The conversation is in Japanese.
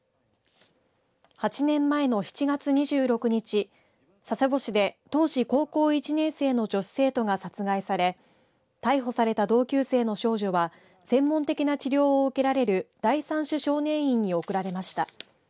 ８年前の７月２６日佐世保市で当時高校１年生の女子生徒が殺害され逮捕された同級生の少女は専門的な治療を受けられる第３種少年院に送られました。